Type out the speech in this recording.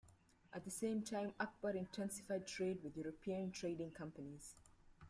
At the same time Akbar intensified trade with European trading companies.